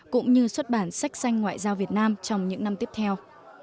cũng như xuất bản sách xanh ngoại giao việt nam trong những năm tiếp theo